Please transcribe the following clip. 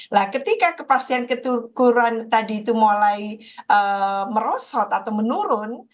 nah ketika kepastian keturkuran tadi itu mulai merosot atau menurun